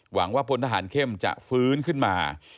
หวังว่าพลทหารเข้มจะฟื้นขึ้นมา